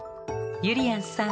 ゆりやんさん